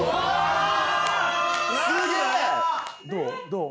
どう？